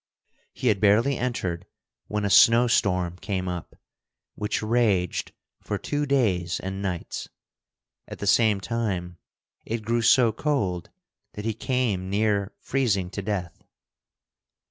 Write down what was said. He had barely entered when a snowstorm came up, which raged for two days and nights. At the same time it grew so cold that he came near freezing to death.